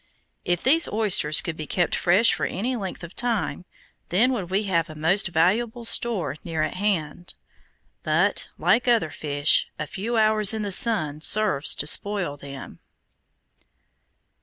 If these oysters could be kept fresh for any length of time, then would we have a most valuable store near at hand; but, like other fish, a few hours in the sun serves to spoil them.